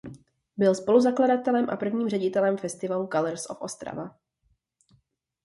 Byl spoluzakladatelem a prvním ředitelem festivalu Colours of Ostrava.